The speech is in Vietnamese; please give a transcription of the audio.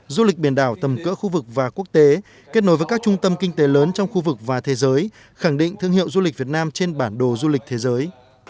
du lịch biển đảo tầm cỡ khu vực và quốc tế kết nối với các trung tâm kinh tế lớn trong khu vực và thế giới khẳng định thương hiệu du lịch việt nam trên bản đồ du lịch thế giới